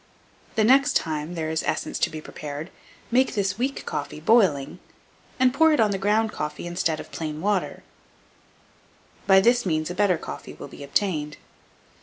The next time there is essence to be prepared, make this weak coffee boiling, and pour it on the ground coffee instead of plain water: by this means a better coffee will be obtained.